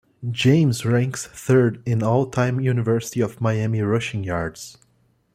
James ranks third in all-time University of Miami rushing yards.